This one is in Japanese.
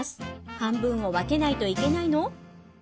半分を分けないといけないの？